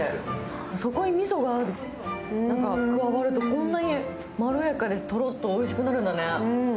そこにみそが加わると、こんなにまろやかでトロッとおいしくなるんだね。